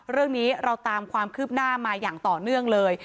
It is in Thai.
เรื่องนี้เราตามความคืบหน้ามาอย่างต่อเนื่องเลย